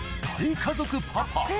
大家族パパ